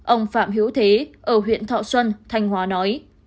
ông phạm hiếu thế ở huyện thọ xuân thanh hóa nói